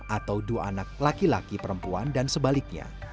atau dua anak laki laki perempuan dan sebaliknya